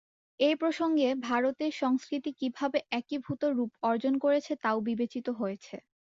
এই প্রসঙ্গে, ভারতের সংস্কৃতি কীভাবে একীভূত রূপ অর্জন করেছে তাও বিবেচিত হয়েছে।